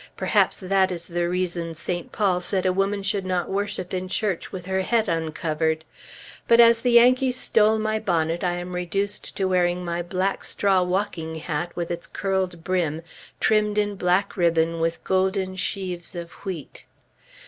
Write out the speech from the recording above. Perhaps that is the reason St. Paul said a woman should not worship in church with her head uncovered! But as the Yankees stole my bonnet, I am reduced to wearing my black straw walking hat with its curled brim, trimmed in black ribbon with golden sheaves of wheat.